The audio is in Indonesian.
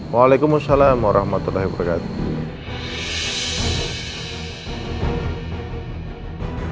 waalaikumsalam warahmatullahi wabarakatuh